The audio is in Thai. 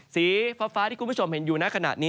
สีฟ้าที่คุณผู้ชมเห็นอยู่ในขณะนี้